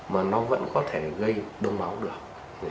mà nó vẫn có thể gây đông máu được